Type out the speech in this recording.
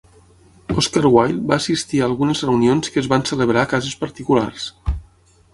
Oscar Wilde va assistir a algunes reunions que es van celebrar a cases particulars.